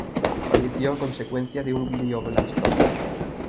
Falleció a consecuencia de un glioblastoma.